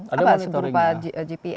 ada monitoringnya apa berupa gps